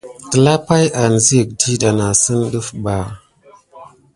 Telapay anziga ɗiɗɑ nà sine ɗef bà.